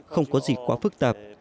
không có gì quá phức tạp